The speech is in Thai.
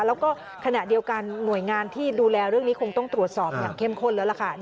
แล้วก็ขณะเดียวกันหน่วยงานที่ดูแลเรื่องนี้คงต้องตรวจสอบอย่างเข้มข้นแล้วล่ะค่ะ